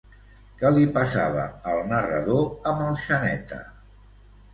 Què li passava al narrador amb el Xaneta?